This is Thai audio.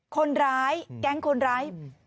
คนร้ายแก๊งคนร้าย